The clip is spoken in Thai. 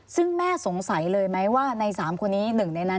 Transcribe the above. ซึ่งแม่สงสัยเลยไหมว่าใน๓คนนี้หนึ่งในนั้น